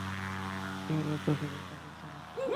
কী হল, চোখে ব্যাথা করছে নাকি?